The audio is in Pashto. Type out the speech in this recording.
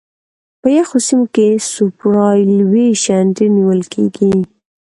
په یخو سیمو کې سوپرایلیویشن ډېر نیول کیږي